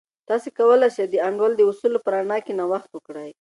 تاسې کولای سئ د انډول د اصولو په رڼا کې نوښت وکړئ.